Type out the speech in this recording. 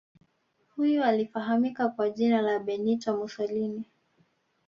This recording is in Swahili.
Huyu alifahamika kwa jina la Benito Musolini